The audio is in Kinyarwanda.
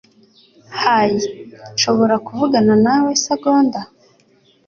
Hey, nshobora kuvugana nawe isegonda?